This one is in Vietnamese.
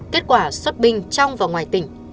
kết quả xuất binh trong và ngoài tỉnh